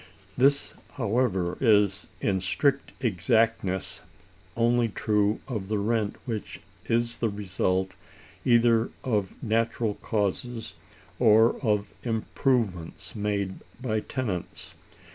This, however, is, in strict exactness, only true of the rent which is the result either of natural causes, or of improvements made by tenants.